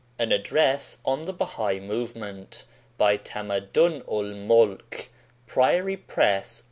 An Address on the Bahai Movement by Tamadun ul Molk. priory press.